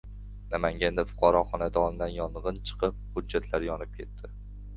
Namanganda fuqaro xonadonida yong‘in chiqib, hujjatlar yonib ketdi